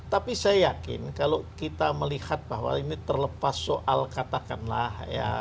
tapi saya yakin kalau kita melihat bahwa ini terlepas soal katakanlah ya